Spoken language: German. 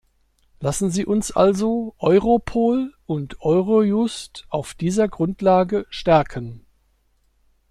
Lassen Sie uns also Europol und Eurojust auf dieser Grundlage stärken.